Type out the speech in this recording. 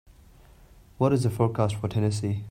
what is the forecast for Tennessee